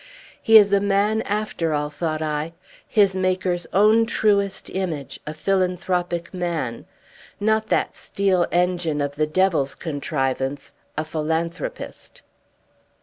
"He is a man after all," thought I; "his Maker's own truest image, a philanthropic man! not that steel engine of the Devil's contrivance, a philanthropist!"